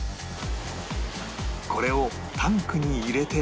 これをタンクに入れて